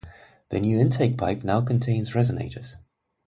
The new intake pipe now contains resonators.